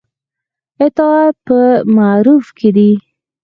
اطاعت په معروف کې دی